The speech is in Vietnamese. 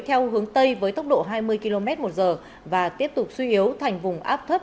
theo hướng tây với tốc độ hai mươi km một giờ và tiếp tục suy yếu thành vùng áp thấp